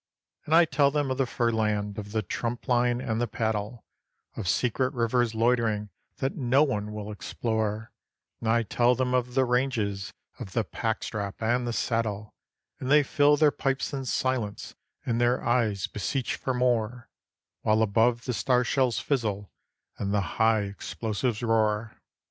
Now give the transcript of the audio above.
And I tell them of the Furland, of the tumpline and the paddle, Of secret rivers loitering, that no one will explore; And I tell them of the ranges, of the pack strap and the saddle, And they fill their pipes in silence, and their eyes beseech for more; While above the star shells fizzle and the high explosives roar.